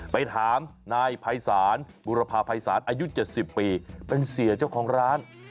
ไปถามนายภัยศาลบุรพาภัยศาลอายุ๗๐ปีเป็นเสียเจ้าของร้าน